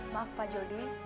maaf pak jody